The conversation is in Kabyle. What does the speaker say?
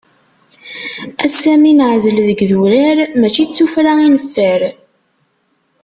Ass-a mi neɛzel deg yidurar, mačči d tufra i neffer.